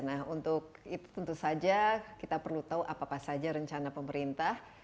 nah untuk itu tentu saja kita perlu tahu apa apa saja rencana pemerintah